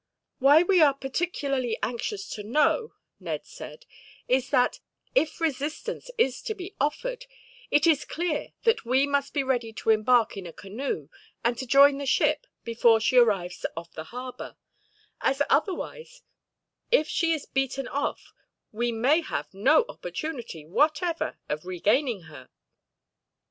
"Why we are particularly anxious to know," Ned said, "is that, if resistance is to be offered, it is clear that we must be ready to embark in a canoe, and to join the ship before she arrives off the harbor; as otherwise, if she is beaten off we may have no opportunity, whatever, of regaining her."